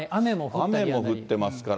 雨も降ってますから。